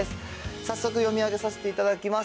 早速読み上げさせていただきます。